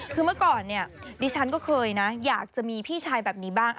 คือเมื่อก่อนเนี่ยดิฉันก็เคยนะอยากจะมีพี่ชายแบบนี้บ้าง